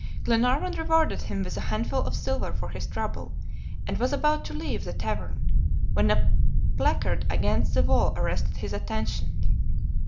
Glenarvan rewarded him with a handful of silver for his trouble, and was about to leave the tavern, when a placard against the wall arrested his attention.